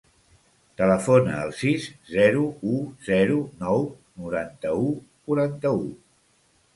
Telefona al sis, zero, u, zero, nou, noranta-u, quaranta-u.